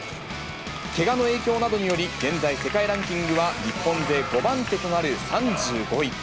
けがの影響などにより、現在、世界ランキングは日本勢５番手となる３５位。